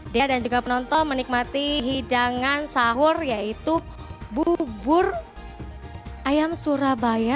dia dan juga penonton menikmati hidangan sahur yaitu bubur ayam surabaya